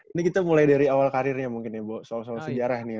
ini kita mulai dari awal karirnya mungkin ya bu soal soal sejarah nih ya